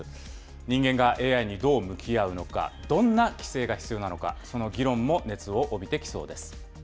人間がＡＩにどう向き合うのか、どんな規制が必要なのか、その議論も熱を帯びてきそうです。